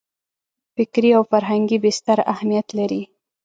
فکري او فرهنګي بستر اهمیت لري.